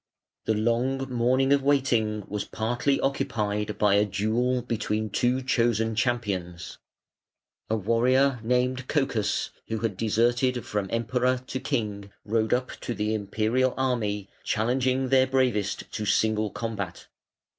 The long morning of waiting was partly occupied by a duel between two chosen champions. A warrior, named Cocas, who had deserted from Emperor to King, rode up to the Imperial army, challenging their bravest to single combat.